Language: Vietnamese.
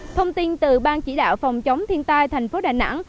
thông tin từ ban chỉ đạo phòng chống thiên tai thành phố đà nẵng